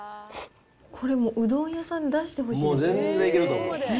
これもううどん屋さんに出してほしいですね。ねぇ。